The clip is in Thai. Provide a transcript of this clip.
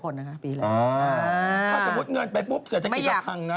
สมมติเงินไปสก็จะกรีดละพังนะ